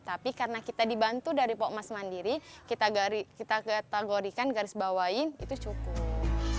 tapi karena kita dibantu dari pokmas mandiri kita kategorikan garis bawahin itu cukup